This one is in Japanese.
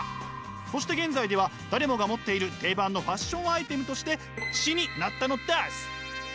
そして現在では誰もが持っている定番のファッションアイテムとして知になったのです！